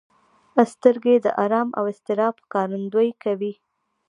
سترګې د ارام او اضطراب ښکارندويي کوي